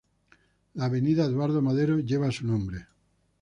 La Avenida Eduardo Madero lleva su nombre.